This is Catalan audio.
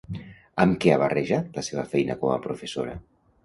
Amb què ha barrejat la seva feina com a professora?